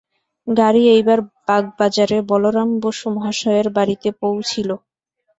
গাড়ী এইবার বাগবাজারে বলরাম বসু মহাশয়ের বাড়ীতে পৌঁছিল।